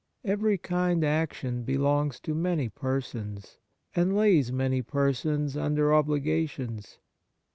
Every kind action belongs to many persons, and lays many persons under obligations.